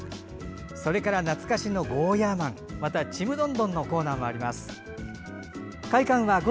それから懐かしのゴーヤーマンまた「ちむどんどん」のコーナーもあります。